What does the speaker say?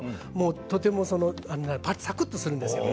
とてもサクっとするんですよ。